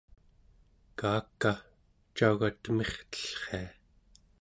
kaaka, cauga temirtellria?